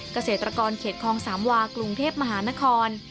เกษตรกรเขตคลองสามวากรุงเทพมหานคร